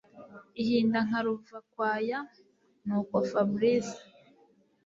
ihinda nka ruvakwaya nuko Fabric